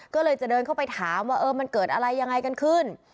ก็เลยจะเดินเข้าไปถามว่าเออมันเกิดอะไรยังไงกันขึ้น